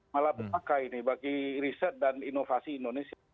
malah dipakai ini bagi riset dan inovasi indonesia